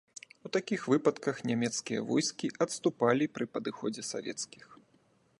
У такіх выпадках нямецкія войскі адступалі пры падыходзе савецкіх.